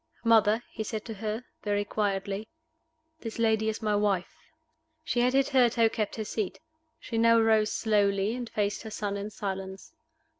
"Mother," he said to her, very quietly, "this lady is my wife." She had hitherto kept her seat. She now rose slowly and faced her son in silence.